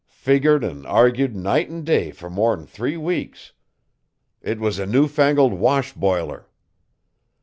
Figgered an' argued night an' day fer more 'n three weeks. It was a new fangled wash biler.